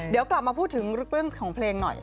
เดี๋ยวกลับมาพูดถึงเรื่องของเพลงหน่อย